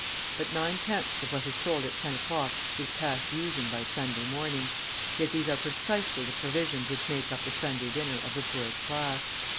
But nine tenths of what is sold at ten o'clock is past using by Sunday morning, yet these are precisely the provisions which make up the Sunday dinner of the poorest class.